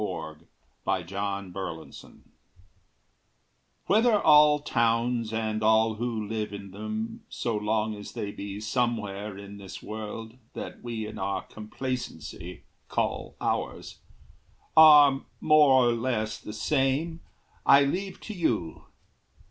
Tasker Norcross "Whether all towns and all who live in them So long as they be somewhere in this world That we in our complacency call ours Are more or less the same, I leave to you.